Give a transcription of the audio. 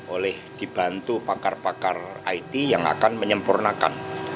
oleh dibantu pakar pakar it yang akan menyempurnakan